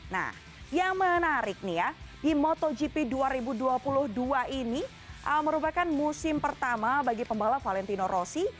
nah yang menarik nih ya di motogp dua ribu dua puluh dua ini merupakan musim pertama bagi pembalap valentino rossi